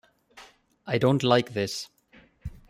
I don't like this.